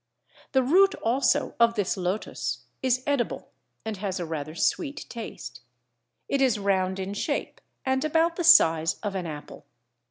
The root also of this lotos is edible and has a rather sweet taste: it is round in shape and about the size of an apple.